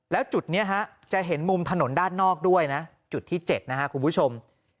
แล้วจุดนี้จะเห็นมุมถนนด้านนอกด้วยนะจุดที่๗นะครับคุณผู้ชม